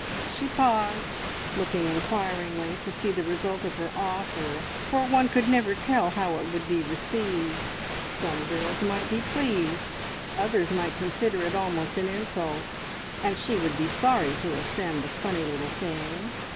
She paused, looking inquiringly to see the result of her offer, for one could never tell how it would be received. Some girls might be pleased, others might consider it almost an insult, and she would be sorry to offend the funny little thing.